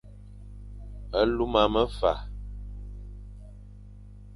Luma mefa,